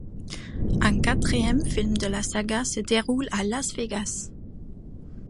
Un quatrième film de la saga se déroule à Las Vegas.